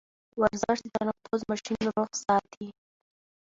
ورزش د تنفس ماشين روغ ساتي.